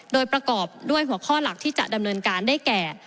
โดยประกอบด้วยหัวข้อหลักที่จะดำเนินการได้แก่